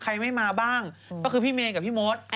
ใครไม่มาบ้างก็คือพี่เมย์กับพี่มด